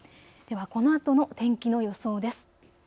ではこのあとの天気の予想です。